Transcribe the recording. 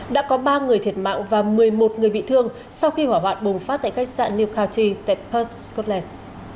đã có ba người thiệt mạng và một mươi một người bị thương sau khi hỏa hoạn bùng phát tại khách sạn new khalty tại pat scotland